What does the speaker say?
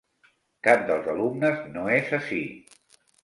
Cap dels alumnes no és ací.